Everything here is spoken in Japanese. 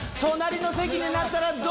隣の席になったら